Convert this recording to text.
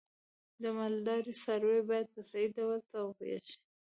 د مالدارۍ څاروی باید په صحی ډول تغذیه شي.